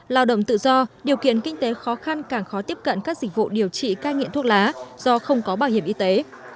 lao động tự do điều kiện kinh tế khó khăn càng khó tiếp cận các dịch vụ điều trị cai nghiện thuốc lá do không có bảo hiểm y tế